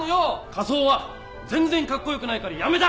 仮装は全然格好よくないからやめた！